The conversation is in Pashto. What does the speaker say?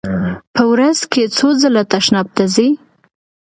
په ورځ کې څو ځله تشناب ته ځئ؟